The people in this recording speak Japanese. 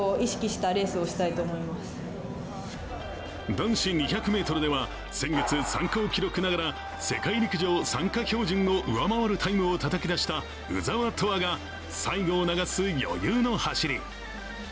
男子２００ｍでは、先月、参考記録ながら世界陸上参加標準を上回るタイムをたたき出した鵜澤飛羽が最後を流す余裕の走り。